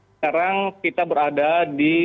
sekarang kita berada di